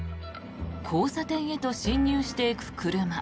交差点へと進入していく車。